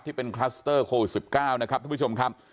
ที่เป็นคลัสเตอร์โควิดสิบเก้านะครับท่านผู้ชมครับ